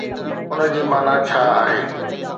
ان جي معنيٰ ڇا آهي؟